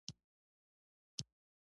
د هيلې خبرې دلته راورسيدې او غلې پاتې شوه